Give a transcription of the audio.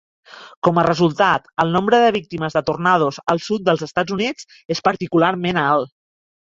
Com a resultat, el nombre de víctimes de tornados al sud dels Estats Units és particularment alt.